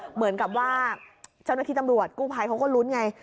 เหมือนกับว่าเจ้าหน้าที่ตำรวจกู้ภัยเขาก็ลุ้นไง